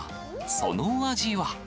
その味は。